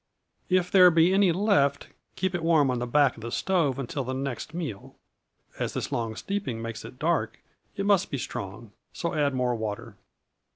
If there be any left, keep it warm on the back of the stove until the next meal. As this long steeping makes it dark, it must be strong, so, add more water.